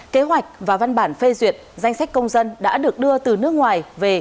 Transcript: kế hoạch và văn bản phê duyệt danh sách công dân đã được đưa từ nước ngoài về